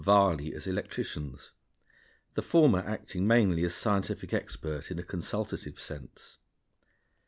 Varley as electricians, the former acting mainly as scientific expert in a consultative sense.